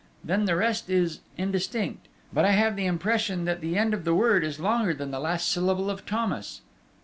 then the rest is indistinct ... but I have the impression that the end of the word is longer than the last syllable of Thomas."